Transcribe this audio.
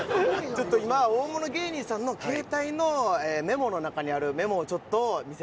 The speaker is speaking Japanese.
ちょっと今大物芸人さんの携帯のメモの中にあるメモをちょっと見せていただけないか。